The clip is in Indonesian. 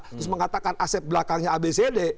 terus mengatakan aset belakangnya abcd